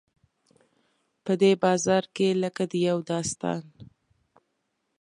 په دې بازار کې لکه د یو داستان.